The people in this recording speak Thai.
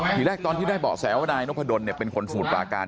ทีแรกตอนที่ได้เบาะแสว่านายนพดลเป็นคนสมุทรปราการ